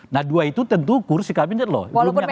nah dua itu tentu kursi kabinet loh